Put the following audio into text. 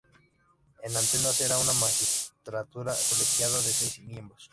En Atenas era una magistratura colegiada de seis miembros.